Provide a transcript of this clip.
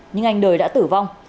nhưng anh đời đã tử vong